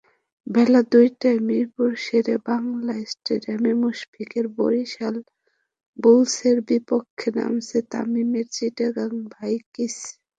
বেলা দুইটায় মিরপুর শেরেবাংলা স্টেডিয়ামে মুশফিকের বরিশাল বুলসের বিপক্ষে নামছে তামিমের চিটাগং ভাইকিংস।